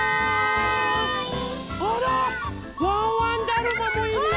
あらワンワンだるまもいるよ。